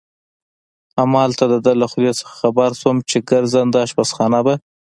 همالته د ده له خولې نه خبر شوم چې ګرځنده اشپزخانه به.